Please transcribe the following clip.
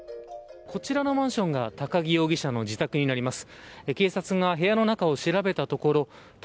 こちらのマンションが都木容疑者の自宅になります。